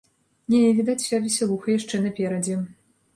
Не, відаць, уся весялуха яшчэ наперадзе.